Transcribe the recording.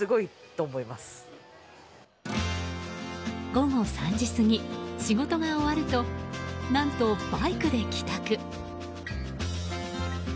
午後３時過ぎ、仕事が終わると何とバイクで帰宅。